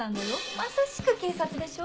まさしく警察でしょ。